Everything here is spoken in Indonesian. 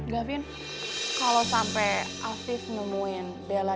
gafin kalau sampai afif nemuin bella